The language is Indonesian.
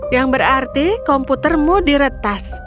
yang berarti komputermu diretas